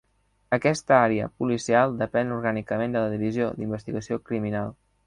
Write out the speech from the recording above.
Aquesta àrea policial depèn orgànicament de la Divisió d'Investigació Criminal.